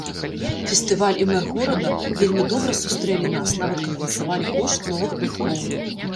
Фестываль і мэр горада вельмі добра сустрэлі нас, нават кампенсавалі кошт новых квіткоў.